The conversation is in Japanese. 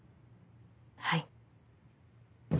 はい。